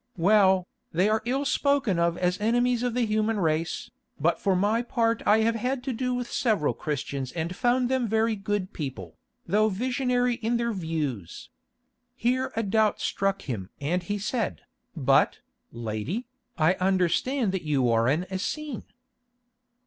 Well, they are ill spoken of as enemies of the human race, but for my part I have had to do with several Christians and found them very good people, though visionary in their views." Here a doubt struck him and he said, "But, lady, I understand that you are an Essene."